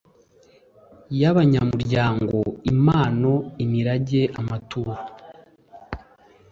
Y abanyamuryango impano imirage amaturo